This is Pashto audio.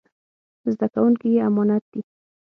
زده کوونکي يې امانت دي.